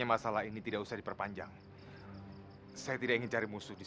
masih juga dimusuhi